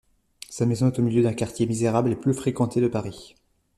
Sa maison est au milieu d'un quartier misérable et peu fréquenté de Paris.